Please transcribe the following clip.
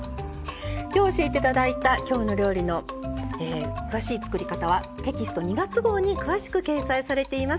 今日教えて頂いた「きょうの料理」の詳しい作り方はテキスト２月号に詳しく掲載されています。